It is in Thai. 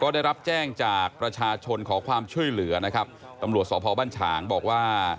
ได้รับแจ้งจากประชาชนขอความช่วยเหลือนะครับตำรวจสพบ้านฉางบอกว่า